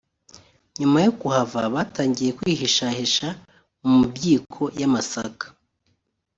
nyuma yo kuhava batangiye kwihishahisha mu mibyuko y’amasaka